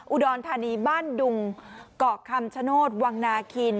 อุดรธานีบ้านดุงเกาะคำชโนธวังนาคิน